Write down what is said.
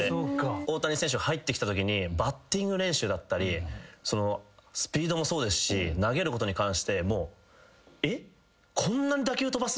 大谷選手入ってきたときにバッティング練習だったりスピードもそうですし投げることに関してもうえっ？